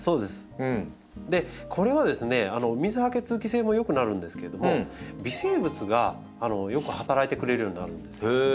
これはですね水はけ通気性も良くなるんですけれども微生物がよく働いてくれるようになるんです。